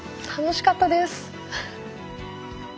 楽しかったです。